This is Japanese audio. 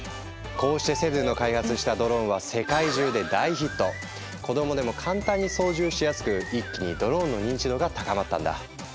こうしてセドゥの開発したドローンは子供でも簡単に操縦しやすく一気にドローンの認知度が高まったんだ。